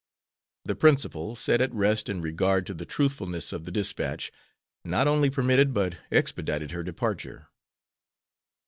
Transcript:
The principal, set at rest in regard to the truthfulness of the dispatch, not only permitted but expedited her departure.